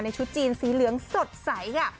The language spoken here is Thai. ชุดจีนสีเหลืองสดใสค่ะ